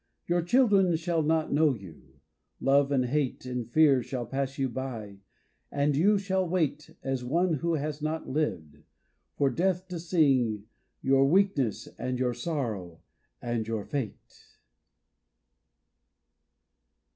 Your children shall not know you, love and hate And fear shall pass you by, and you shall wait As one who has not lived, for Death to sing Your weakness and your sorrow and your fate.